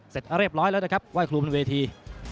เสร็จเรียบร้อยแล้วนะครับไหว้ครูบนเวที